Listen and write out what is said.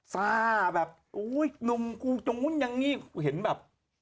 ซ่าแบบโอ้โฮนุ่มกูจงกูยังงี้เห็นแบบ